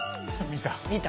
見た。